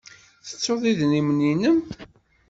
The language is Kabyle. Tettuḍ idrimen-nnem?